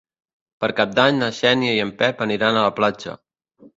Per Cap d'Any na Xènia i en Pep aniran a la platja.